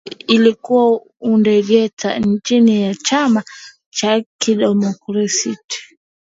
Urusi ilikuwa udikteta chini ya chama cha kikomunisti